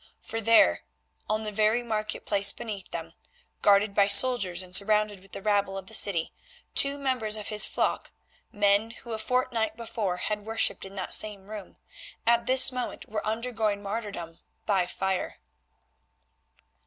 For there, on the very market place beneath them, guarded by soldiers and surrounded with the rabble of the city, two members of his flock, men who a fortnight before had worshipped in that same room, at this moment were undergoing martyrdom by fire!